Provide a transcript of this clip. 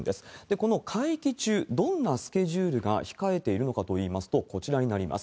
この会期中、どんなスケジュールが控えているのかといいますと、こちらになります。